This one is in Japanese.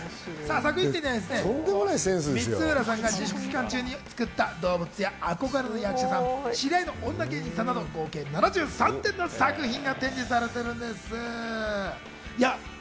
作品展には光浦さんが自粛期間中に作った動物や憧れの役者さん、知り合いの女芸人さんなど合計７３点の作品が展示されています。